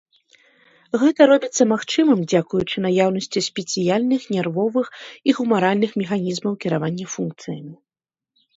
Гэта робіцца магчымым дзякуючы наяўнасці спецыяльных нервовых і гумаральных механізмаў кіравання функцыямі.